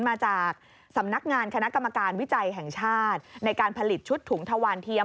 มาจากสำนักงานคณะกรรมการวิจัยแห่งชาติในการผลิตชุดถุงทวารเทียม